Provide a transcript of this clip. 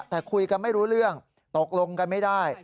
แต่คุยกันไม่รู้เรื่องตกลงกันไม่ได้